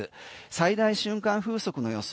最大瞬間風速の予想